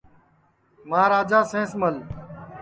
مہاراجا سینس مل